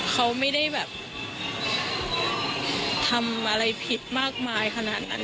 เขาไม่ได้แบบทำอะไรผิดมากมายขนาดนั้น